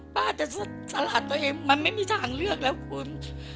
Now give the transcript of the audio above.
ป้าจะสลัดตัวเองมันไม่มีทางเลือกแล้วคุณ